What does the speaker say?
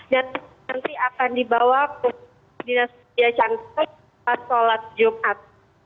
dan nanti akan dibawa ke dinas diasyantai untuk sholat jumat